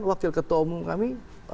wakil ketua umum kami